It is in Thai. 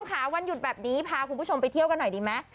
ค่ะวันหยุดแบบนี้พาคุณผู้ชมไปเที่ยวกันหน่อยดีไหม